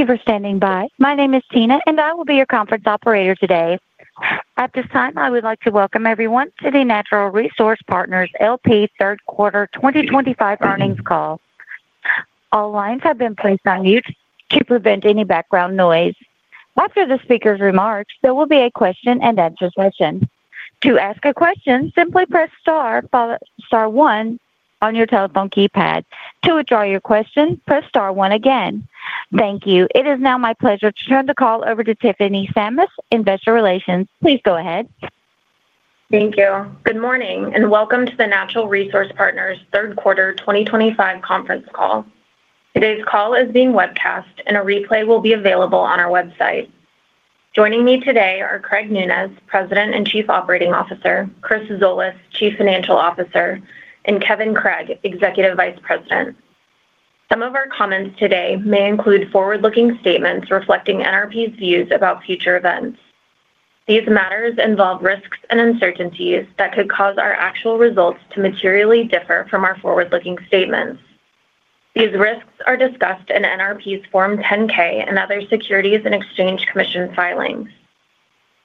Thank you for standing by. My name is Tina, and I will be your conference operator today. At this time, I would like to welcome everyone to the Natural Resource Partners LP. third-quarter 2025 earnings call. All lines have been placed on mute to prevent any background noise. After the speaker's remarks, there will be a question-and-answer session. To ask a question, simply press star one on your telephone keypad. To withdraw your question, press star one again. Thank you. It is now my pleasure to turn the call over to Tiffany Sammis, Investor Relations. Please go ahead. Thank you. Good morning and welcome to the Natural Resource Partners third-quarter 2025 conference call. Today's call is being webcast, and a replay will be available on our website. Joining me today are Craig Nunez, President and Chief Operating Officer; Chris Zolas, Chief Financial Officer; and Kevin Craig, Executive Vice President. Some of our comments today may include forward-looking statements reflecting NRP's views about future events. These matters involve risks and uncertainties that could cause our actual results to materially differ from our forward-looking statements. These risks are discussed in NRP's Form 10-K and other Securities and Exchange Commission filings.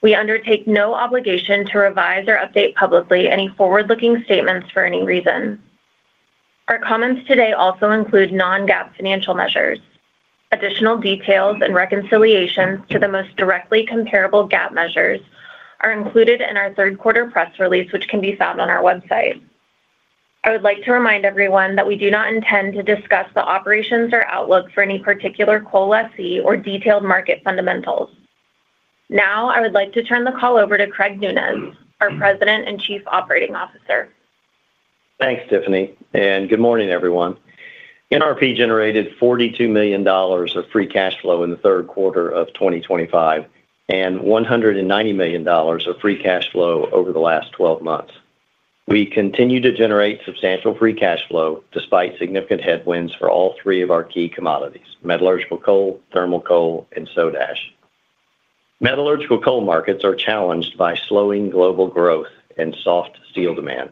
We undertake no obligation to revise or update publicly any forward-looking statements for any reason. Our comments today also include non-GAAP financial measures. Additional details and reconciliations to the most directly comparable GAAP measures are included in our third-quarter press release, which can be found on our website. I would like to remind everyone that we do not intend to discuss the operations or outlook for any particular core or detailed market fundamentals. Now, I would like to turn the call over to Craig Nunez, our President and Chief Operating Officer. Thanks, Tiffany. Good morning, everyone. NRP generated $42 million of free cash flow in the third quarter of 2025 and $190 million of free cash flow over the last 12 months. We continue to generate substantial free cash flow despite significant headwinds for all three of our key commodities: metallurgical coal, thermal coal, and soda ash. Metallurgical coal markets are challenged by slowing global growth and soft steel demand.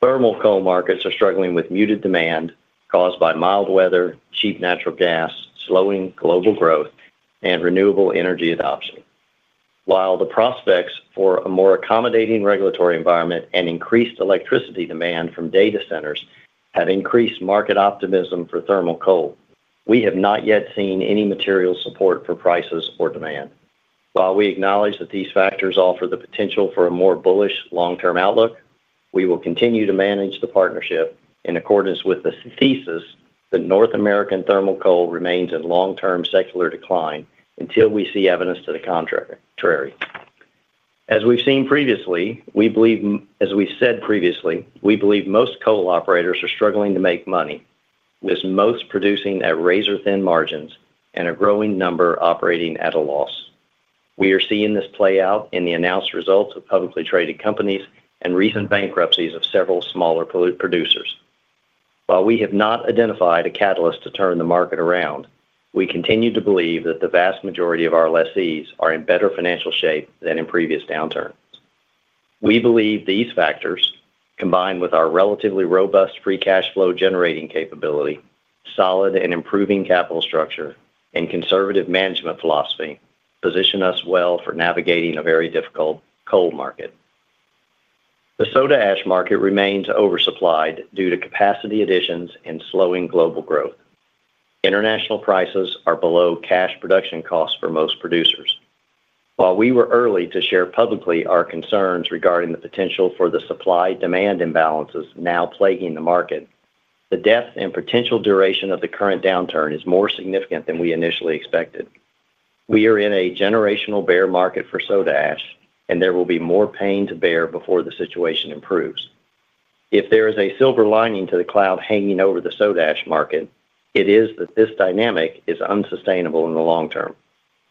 Thermal coal markets are struggling with muted demand caused by mild weather, cheap natural gas, slowing global growth, and renewable energy adoption. While the prospects for a more accommodating regulatory environment and increased electricity demand from data centers have increased market optimism for thermal coal, we have not yet seen any material support for prices or demand. While we acknowledge that these factors offer the potential for a more bullish long-term outlook, we will continue to manage the partnership in accordance with the thesis that North American thermal coal remains in long-term secular decline until we see evidence to the contrary. As we've seen previously, we believe— as we said previously— we believe most coal operators are struggling to make money, with most producing at razor-thin margins and a growing number operating at a loss. We are seeing this play out in the announced results of publicly traded companies and recent bankruptcies of several smaller producers. While we have not identified a catalyst to turn the market around, we continue to believe that the vast majority of our lessees are in better financial shape than in previous downturns. We believe these factors, combined with our relatively robust free cash flow generating capability, solid and improving capital structure, and conservative management philosophy, position us well for navigating a very difficult coal market. The soda ash market remains oversupplied due to capacity additions and slowing global growth. International prices are below cash production costs for most producers. While we were early to share publicly our concerns regarding the potential for the supply-demand imbalances now plaguing the market, the depth and potential duration of the current downturn is more significant than we initially expected. We are in a generational bear market for soda ash, and there will be more pain to bear before the situation improves. If there is a silver lining to the cloud hanging over the soda ash market, it is that this dynamic is unsustainable in the long term.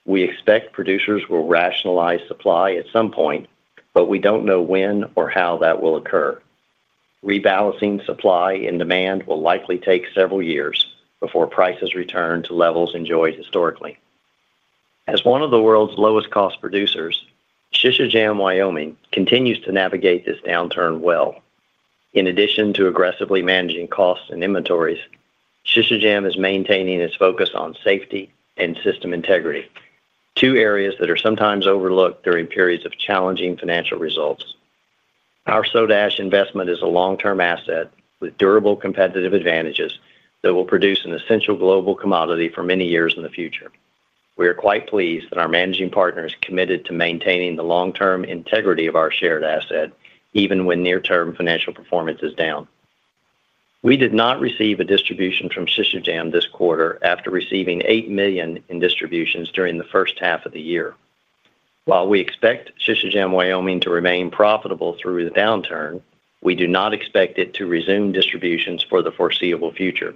We expect producers will rationalize supply at some point, but we don't know when or how that will occur. Rebalancing supply and demand will likely take several years before prices return to levels enjoyed historically. As one of the world's lowest-cost producers, Şişecam Wyoming, continues to navigate this downturn well. In addition to aggressively managing costs and inventories, Şişecam is maintaining its focus on safety and system integrity, two areas that are sometimes overlooked during periods of challenging financial results. Our soda ash investment is a long-term asset with durable competitive advantages that will produce an essential global commodity for many years in the future. We are quite pleased that our managing partner is committed to maintaining the long-term integrity of our shared asset even when near-term financial performance is down. We did not receive a distribution from Şişecam this quarter after receiving $8 million in distributions during the first half of the year. While we expect Şişecam Wyoming, to remain profitable through the downturn, we do not expect it to resume distributions for the foreseeable future,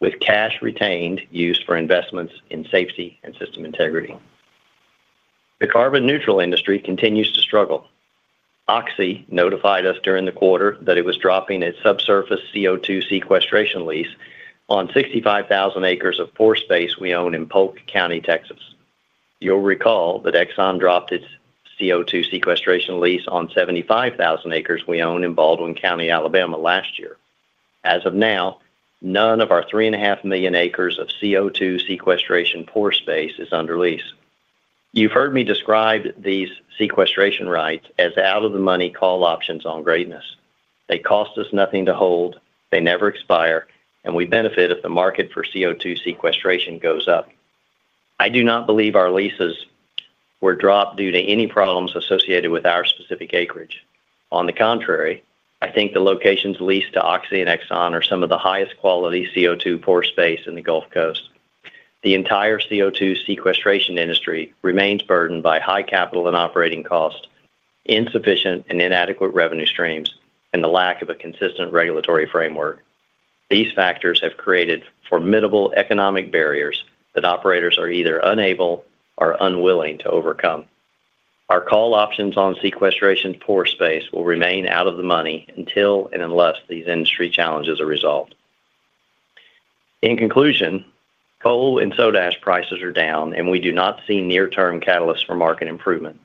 with cash retained used for investments in safety and system integrity. The carbon-neutral industry continues to struggle. Oxy notified us during the quarter that it was dropping its subsurface CO2 sequestration lease on 65,000 acres of pore space we own in Polk County, Texas. You'll recall that Exxon dropped its CO2 sequestration lease on 75,000 acres we own in Baldwin County, Alabama, last year. As of now, none of our 3.5 million acres of CO2 sequestration pore space is under lease. You've heard me describe these sequestration rights as out-of-the-money call options on greatness. They cost us nothing to hold, they never expire, and we benefit if the market for CO2 sequestration goes up. I do not believe our leases were dropped due to any problems associated with our specific acreage. On the contrary, I think the locations leased to Oxy and Exxon are some of the highest-quality CO2 pore space in the Gulf Coast. The entire CO2 sequestration industry remains burdened by high capital and operating costs, insufficient and inadequate revenue streams, and the lack of a consistent regulatory framework. These factors have created formidable economic barriers that operators are either unable or unwilling to overcome. Our call options on sequestration pore space will remain out of the money until and unless these industry challenges are resolved. In conclusion, coal and soda ash prices are down, and we do not see near-term catalysts for market improvement.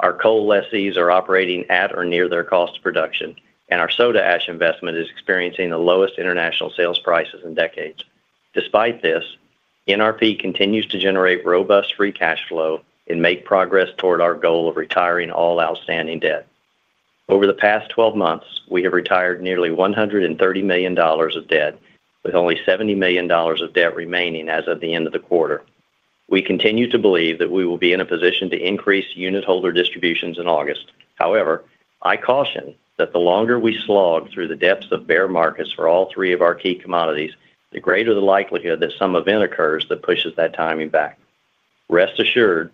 Our coal lessees are operating at or near their cost of production, and our soda ash investment is experiencing the lowest international sales prices in decades. Despite this, NRP continues to generate robust free cash flow and make progress toward our goal of retiring all outstanding debt. Over the past 12 months, we have retired nearly $130 million of debt, with only $70 million of debt remaining as of the end of the quarter. We continue to believe that we will be in a position to increase unit holder distributions in August. However, I caution that the longer we slog through the depths of bear markets for all three of our key commodities, the greater the likelihood that some event occurs that pushes that timing back. Rest assured,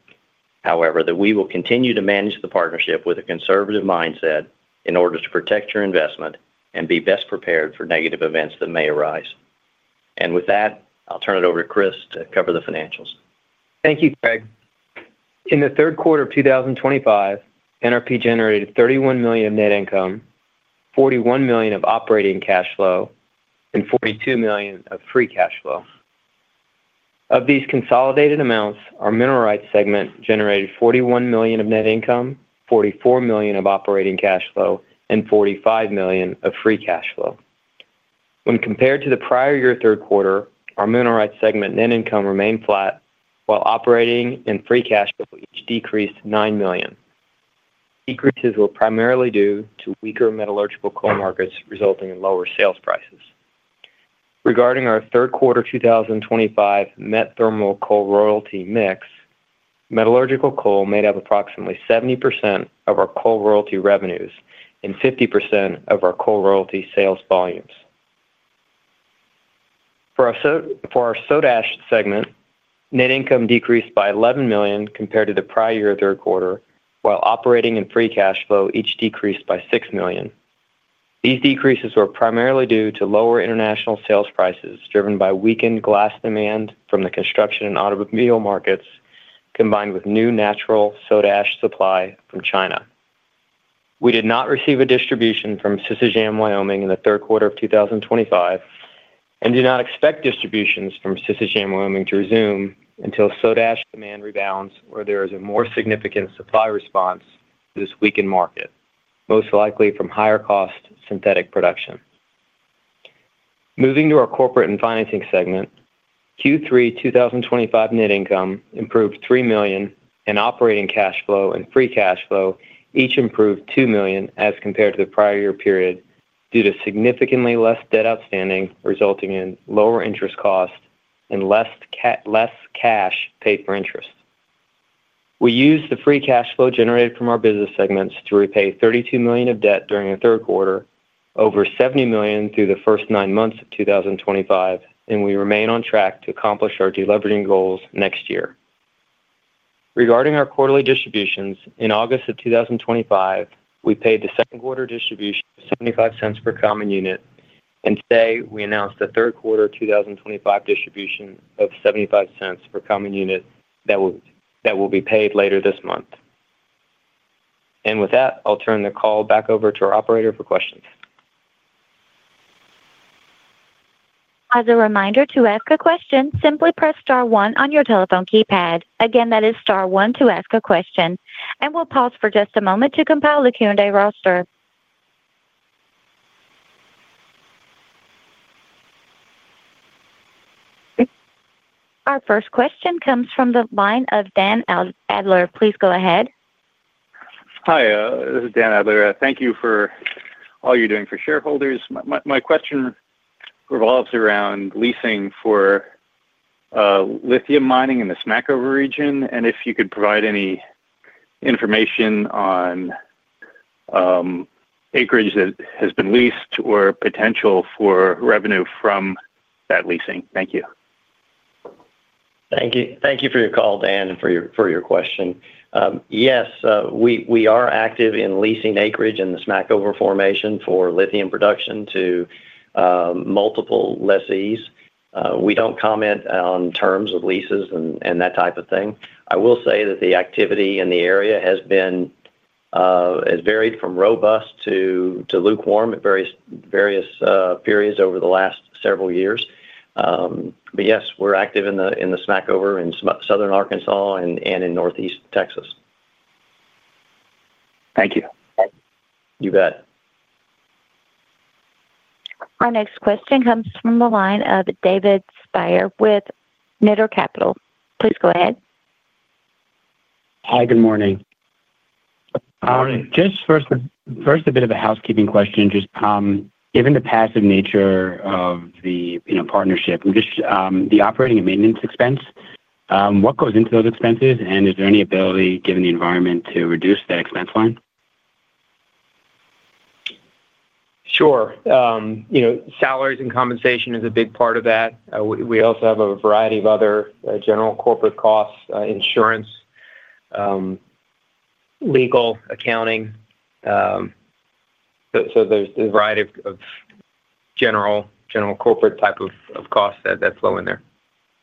however, that we will continue to manage the partnership with a conservative mindset in order to protect your investment and be best prepared for negative events that may arise. With that, I'll turn it over to Chris to cover the financials. Thank you, Craig. In the third quarter of 2025, NRP generated $31 million of net income, $41 million of operating cash flow, and $42 million of free cash flow. Of these consolidated amounts, our mineral rights segment generated $41 million of net income, $44 million of operating cash flow, and $45 million of free cash flow. When compared to the prior year third quarter, our mineral rights segment net income remained flat, while operating and free cash flow each decreased $9 million. Decreases were primarily due to weaker metallurgical coal markets resulting in lower sales prices. Regarding our third quarter 2025 met thermal coal royalty mix, metallurgical coal made up approximately 70% of our coal royalty revenues and 50% of our coal royalty sales volumes. For our soda ash segment, net income decreased by $11 million compared to the prior year third quarter, while operating and free cash flow each decreased by $6 million. These decreases were primarily due to lower international sales prices driven by weakened glass demand from the construction and automobile markets, combined with new natural soda ash supply from China. We did not receive a distribution from Şişecam Wyoming, in the third quarter of 2025. We do not expect distributions from Şişecam Wyoming, to resume until soda ash demand rebounds or there is a more significant supply response to this weakened market, most likely from higher-cost synthetic production. Moving to our corporate and financing segment, Q3 2025 net income improved $3 million, and operating cash flow and free cash flow each improved $2 million as compared to the prior year period due to significantly less debt outstanding, resulting in lower interest costs and less cash paid for interest. We used the free cash flow generated from our business segments to repay $32 million of debt during the third quarter, over $70 million through the first nine months of 2025, and we remain on track to accomplish our delevering goals next year. Regarding our quarterly distributions, in August of 2025, we paid the second-quarter distribution of $0.75 per common unit, and today we announced the third quarter 2025 distribution of $0.75 per common unit that will be paid later this month. With that, I'll turn the call back over to our operator for questions. As a reminder to ask a question, simply press star one on your telephone keypad. Again, that is star one to ask a question. We'll pause for just a moment to compile the Q&A roster. Our first question comes from the line of Dan Adler. Please go ahead. Hi, this is Dan Adler. Thank you for all you're doing for shareholders. My question revolves around leasing for lithium mining in the Smackover region, and if you could provide any information on acreage that has been leased or potential for revenue from that leasing. Thank you. Thank you for your call, Dan, and for your question. Yes, we are active in leasing acreage in the Smackover formation for lithium production to multiple lessees. We don't comment on terms of leases and that type of thing. I will say that the activity in the area has been varied from robust to lukewarm at various periods over the last several years. Yes, we're active in the Smackover in southern Arkansas and in northeast Texas. Thank you. You bet. Our next question comes from the line of David Spier with Nitor Capital. Please go ahead. Hi, good morning. morning. Just first a bit of a housekeeping question. Just given the passive nature of the partnership, just the operating and maintenance expense, what goes into those expenses, and is there any ability, given the environment, to reduce that expense line? Sure. Salaries and compensation is a big part of that. We also have a variety of other general corporate costs, insurance, legal, accounting. So there's a variety of general corporate type of costs that flow in there.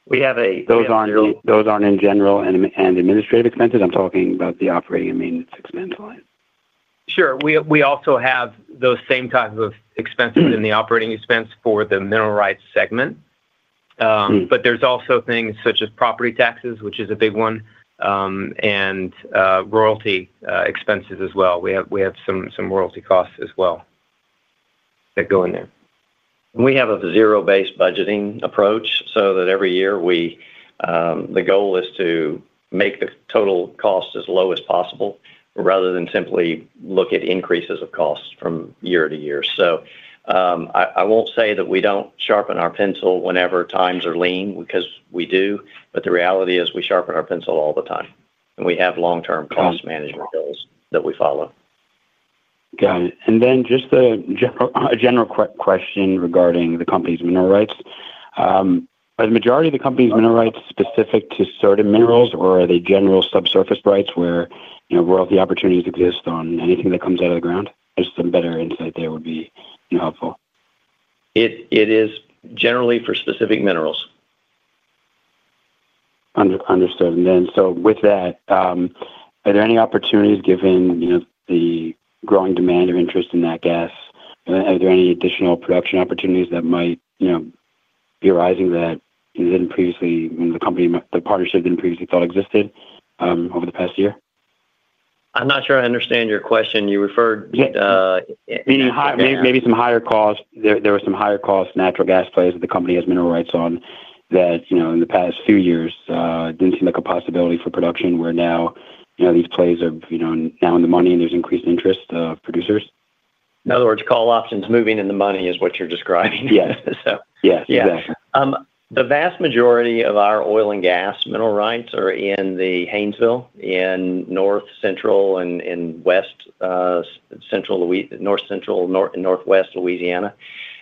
Those aren't in general and administrative expenses. I'm talking about the operating and maintenance expense line. Sure. We also have those same type of expenses in the operating expense for the mineral rights segment. There are also things such as property taxes, which is a big one, and royalty expenses as well. We have some royalty costs as well that go in there. We have a zero-based budgeting approach so that every year the goal is to make the total cost as low as possible rather than simply look at increases of costs from year to year. I won't say that we don't sharpen our pencil whenever times are lean because we do, but the reality is we sharpen our pencil all the time. And we have long-term cost management goals that we follow. Got it. And then just a general question regarding the company's mineral rights. Are the majority of the company's mineral rights specific to certain minerals, or are they general subsurface rights where royalty opportunities exist on anything that comes out of the ground? Just some better insight there would be helpful. It is generally for specific minerals. Understood. So with that, are there any opportunities given the growing demand or interest in that gas? Are there any additional production opportunities that might be arising that the partnership didn't previously thought existed over the past year? I'm not sure I understand your question. You referred. Maybe some higher costs. There were some higher cost natural gas plays that the company has mineral rights on that in the past few years didn't seem like a possibility for production where now these plays are now in the money and there's increased interest of producers. In other words, call options moving in the money is what you're describing. Yes. Yes, exactly. The vast majority of our oil and gas mineral rights are in the Haynesville, in north central and northwest Louisiana.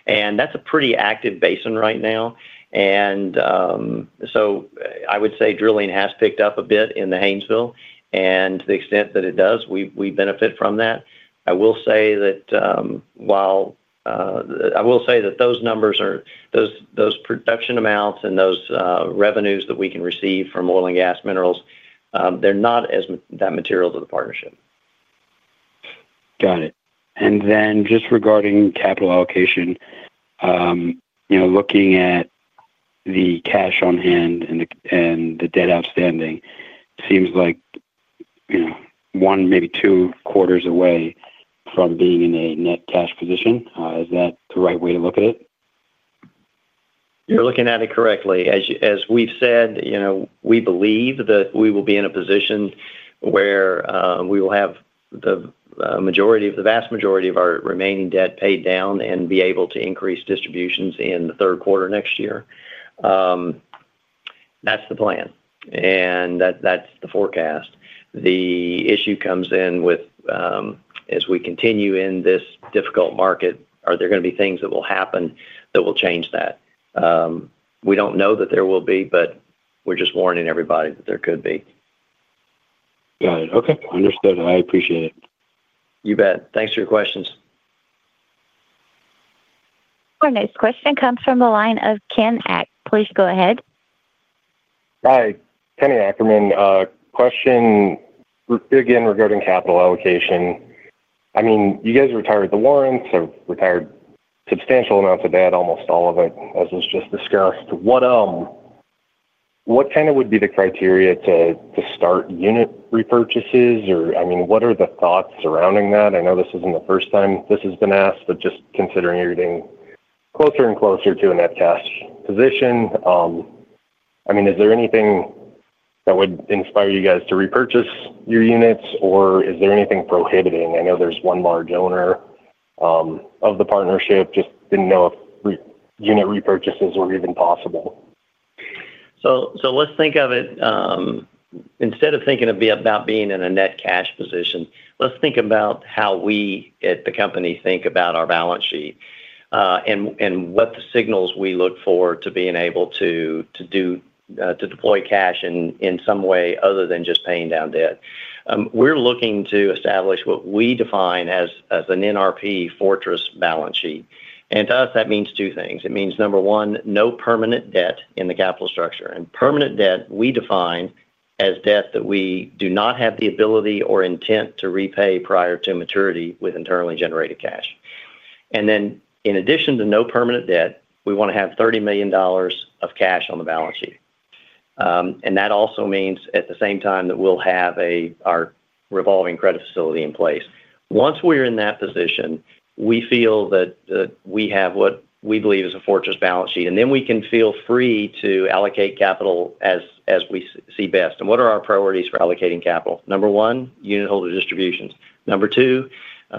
That's a pretty active basin right now. So I would say drilling has picked up a bit in the Haynesville. To the extent that it does, we benefit from that. I will say that those numbers, those production amounts, and those revenues that we can receive from oil and gas minerals, they're not as material to the partnership. Got it. Then just regarding capital allocation. Looking at the cash on hand and the debt outstanding, it seems like one, maybe two quarters away from being in a net cash position. Is that the right way to look at it? You're looking at it correctly. As we've said, we believe that we will be in a position where we will have the vast majority of our remaining debt paid down and be able to increase distributions in the third quarter next year. That's the plan and that's the forecast. The issue comes in with, as we continue in this difficult market, are there going to be things that will happen that will change that? We don't know that there will be, but we're just warning everybody that there could be. Got it. Okay. Understood. I appreciate it. You bet. Thanks for your questions. Our next question comes from the line of Kenny Ackerman. Please go ahead. Hi. Kenny Ackerman. Question. Again regarding capital allocation. I mean, you guys retired the warrants or retired substantial amounts of debt, almost all of it, as was just discussed. What kind of would be the criteria to start unit repurchases? Or I mean, what are the thoughts surrounding that? I know this isn't the first time this has been asked, but just considering you're getting closer and closer to a net cash position. I mean, is there anything that would inspire you guys to repurchase your units, or is there anything prohibiting? I know there's one large owner of the partnership. Just didn't know if unit repurchases were even possible. Let's think of it. Instead of thinking about being in a net cash position, let's think about how we at the company think about our balance sheet and what signals we look for to being able to deploy cash in some way other than just paying down debt. We're looking to establish what we define as an NRP fortress balance sheet. And to us, that means two things. It means, number one, no permanent debt in the capital structure. And permanent debt, we define as debt that we do not have the ability or intent to repay prior to maturity with internally generated cash. And then, in addition to no permanent debt, we want to have $30 million of cash on the balance sheet. And that also means, at the same time, that we'll have our revolving credit facility in place. Once we're in that position, we feel that we have what we believe is a fortress balance sheet, and then we can feel free to allocate capital as we see best. And what are our priorities for allocating capital? Number one, unit holder distributions. Number two,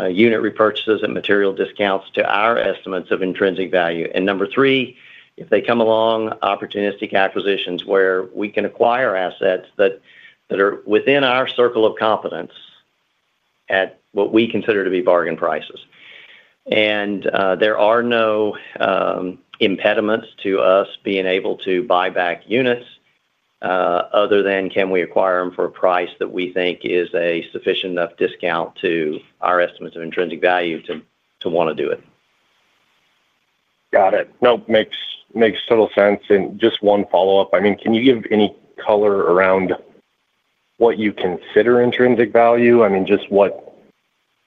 unit repurchases and material discounts to our estimates of intrinsic value. And number three, if they come along, opportunistic acquisitions where we can acquire assets that are within our circle of competence at what we consider to be bargain prices. And there are no impediments to us being able to buy back units other than can we acquire them for a price that we think is a sufficient enough discount to our estimates of intrinsic value to want to do it. Got it. No, makes total sense. Just one follow-up. I mean, can you give any color around what you consider intrinsic value? I mean, just what.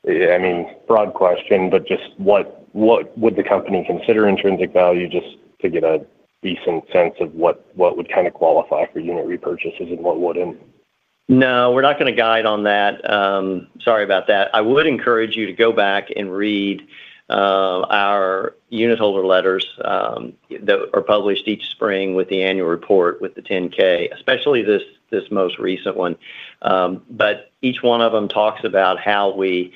I mean, broad question, but just what would the company consider intrinsic value just to get a decent sense of what would kind of qualify for unit repurchases and what wouldn't? No, we're not going to guide on that. Sorry about that. I would encourage you to go back and read our unit holder letters that are published each spring with the annual report with the Form 10-K, especially this most recent one. Each one of them talks about how we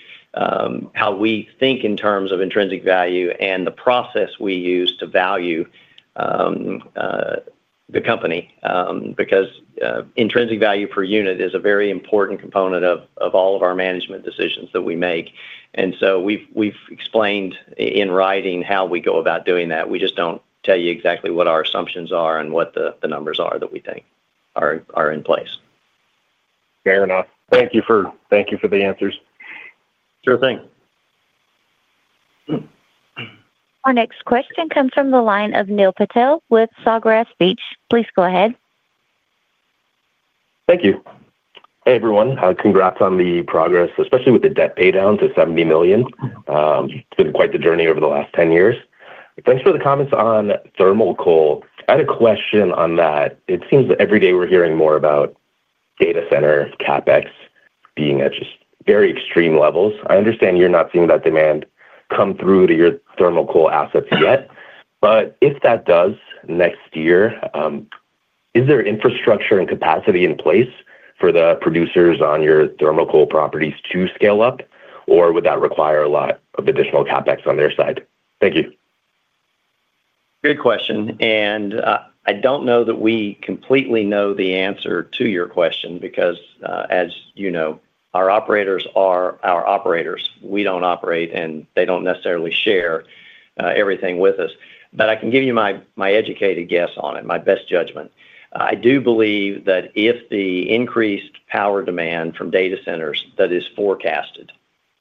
think in terms of intrinsic value and the process we use to value the company. Intrinsic value per unit is a very important component of all of our management decisions that we make. We've explained in writing how we go about doing that. We just don't tell you exactly what our assumptions are and what the numbers are that we think are in place. Fair enough. Thank you for the answers. Sure thing. Our next question comes from the line of Neil Patel with Sawgrass Beach. Please go ahead. Thank you. Hey, everyone. Congrats on the progress, especially with the debt paydown to $70 million. It's been quite the journey over the last 10 years. Thanks for the comments on thermal coal. I had a question on that. It seems that every day we're hearing more about data center CapEx being at just very extreme levels. I understand you're not seeing that demand come through to your thermal coal assets yet. If that does next year, is there infrastructure and capacity in place for the producers on your thermal coal properties to scale up, or would that require a lot of additional CapEx on their side? Thank you. Good question. I don't know that we completely know the answer to your question because, as you know, our operators are our operators. We don't operate, and they don't necessarily share everything with us. I can give you my educated guess on it, my best judgment. I do believe that if the increased power demand from data centers that is forecasted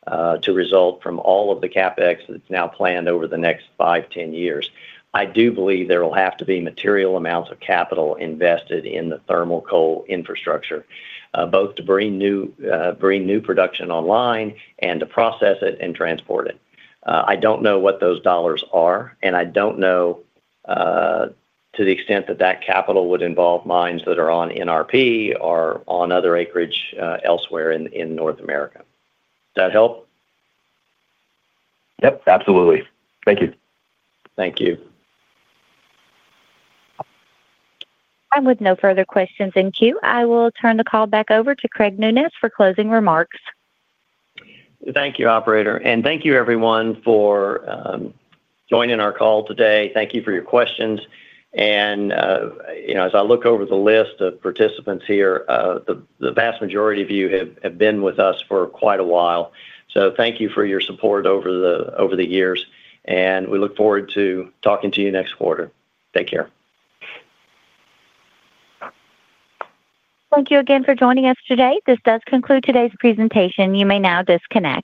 to result from all of the CapEx that's now planned over the next five, 10 years, I do believe there will have to be material amounts of capital invested in the thermal coal infrastructure, both to bring new production online and to process it and transport it. I don't know what those dollars are, and I don't know to the extent that that capital would involve mines that are on NRP or on other acreage elsewhere in North America. Does that help? Yep. Absolutely. Thank you. Thank you. With no further questions in queue, I will turn the call back over to Craig Nunez for closing remarks. Thank you, operator. Thank you, everyone, for joining our call today. Thank you for your questions. As I look over the list of participants here, the vast majority of you have been with us for quite a while. So thank you for your support over the years. We look forward to talking to you next quarter. Take care. Thank you again for joining us today. This does conclude today's presentation. You may now disconnect.